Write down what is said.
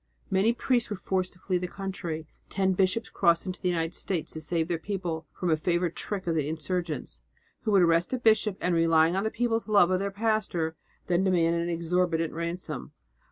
Many priests were forced to flee the country, ten bishops crossed into the United States to save their people from a favourite trick of the insurgents, who would arrest a bishop and, relying on the people's love of their pastor, then demand an exorbitant ransom.